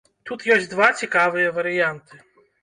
Тут ёсць два цікавыя варыянты.